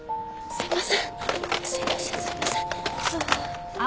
すいません。